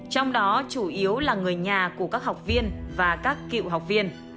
trong đó chủ yếu là người nhà của các học viên và các cựu học viên